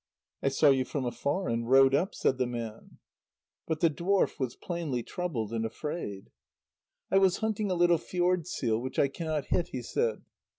"I saw you from afar and rowed up," said the man. But the dwarf was plainly troubled and afraid. "I was hunting a little fjord seal which I cannot hit," he said.